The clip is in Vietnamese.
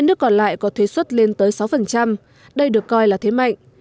năm nước còn lại có thuế xuất lên tới sáu đây được coi là thế mạnh